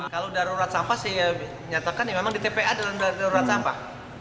kalau darurat sampah saya nyatakan memang di tpa dalam darurat sampah